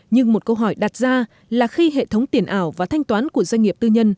nhưng một câu hỏi đặt ra là khi hệ thống tiền ảo và thanh toán của doanh nghiệp tư nhân